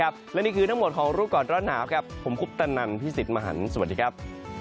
บริเวณรอดหนาวครับผมกุ๊ปตะนันท์พี่สิทธิ์มหันต์สวัสดีครับ